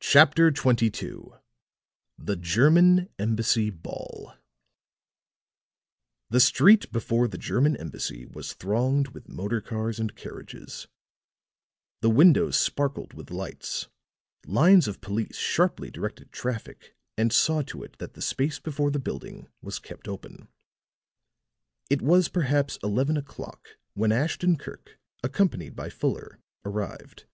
CHAPTER XXII THE GERMAN EMBASSY BALL The street before the German Embassy was thronged with motor cars and carriages; the windows sparkled with lights; lines of police sharply directed traffic and saw to it that the space before the building was kept open. It was perhaps eleven o'clock when Ashton Kirk, accompanied by Fuller, arrived.